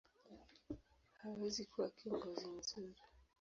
hawezi kuwa kiongozi mzuri.